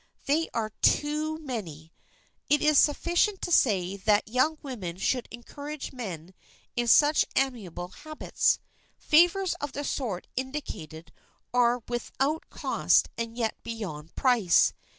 They are too many. It is sufficient to say that young women should encourage men in such amiable habits. Favors of the sort indicated are without cost and yet beyond price.